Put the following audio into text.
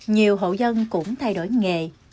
nhiều hậu dân cũng thay đổi nghề